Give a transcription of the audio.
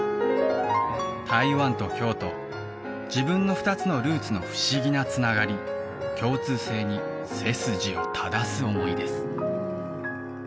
台湾と京都自分の２つのルーツの不思議なつながり共通性に背筋を正す思いです